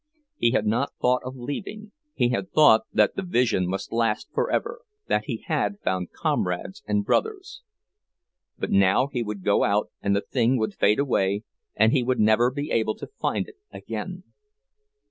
He had not thought of leaving—he had thought that the vision must last forever, that he had found comrades and brothers. But now he would go out, and the thing would fade away, and he would never be able to find it again!